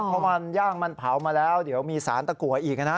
เพราะมันย่างมันเผามาแล้วเดี๋ยวมีสารตะกัวอีกนะ